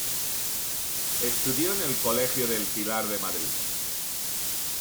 Estudió en el Colegio del Pilar de Madrid.